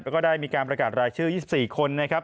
แล้วก็ได้มีการประกาศรายชื่อ๒๔คนนะครับ